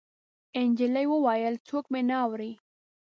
نجلۍ وويل: څوک مې نه اوري.